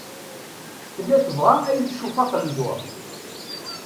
Tella tebɣa ad iyi-tcuff aqendur.